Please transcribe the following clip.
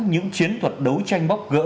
những chiến thuật đấu tranh bóp gỡ